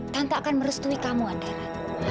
tante akan merestui kamu andara